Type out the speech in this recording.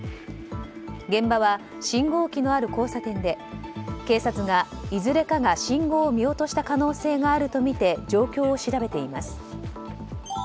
現場は信号機のある交差点で警察がいずれかが信号を見落とした可能性があるとみて状況を調べています。